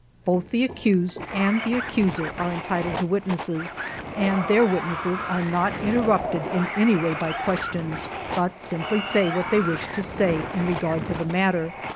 Both the accused and the accuser are entitled to witnesses, and their witnesses are not interrupted in any way by questions, but simply say what they wish to say in regard to the matter.